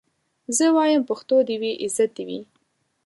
زه وايم پښتو دي وي عزت دي وي